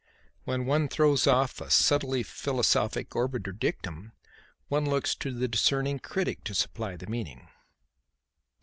When one throws off a subtly philosophic obiter dictum one looks to the discerning critic to supply the meaning.